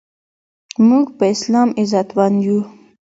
مونږ په اسلام عزتمند یو